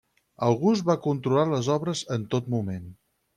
August va controlar les obres en tot moment.